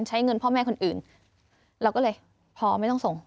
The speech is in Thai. ใช้เงินพ่อแม่คนอื่นเราก็เลยพอไม่ต้องส่ง